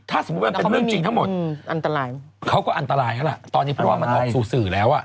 ถ้าสมมุติว่ามันเป็นเรื่องจริงทั้งหมดอันตรายเขาก็อันตรายแล้วล่ะตอนนี้เพราะว่ามันออกสู่สื่อแล้วอ่ะ